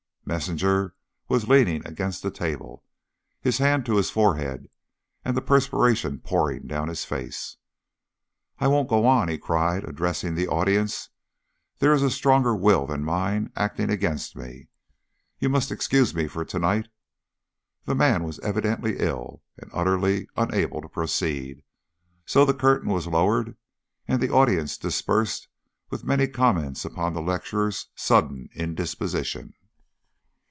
Messinger was leaning against the table, his hand to his forehead, and the perspiration pouring down his face. "I won't go on," he cried, addressing the audience. "There is a stronger will than mine acting against me. You must excuse me for to night." The man was evidently ill, and utterly unable to proceed, so the curtain was lowered, and the audience dispersed, with many comments upon the lecturer's sudden indisposition.